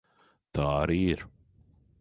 Tā arī ir.